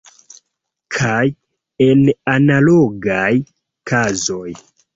Kaj en analogaj kazoj.